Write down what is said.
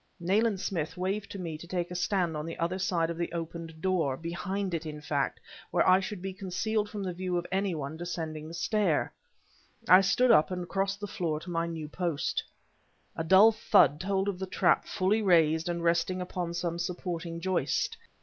Nayland Smith waved to me to take a stand on the other side of the opened door behind it, in fact, where I should be concealed from the view of any one descending the stair. I stood up and crossed the floor to my new post. A dull thud told of the trap fully raised and resting upon some supporting joist.